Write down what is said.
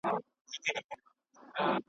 د کابل په شهدای صالحین کي خاورو ته وسپارل شو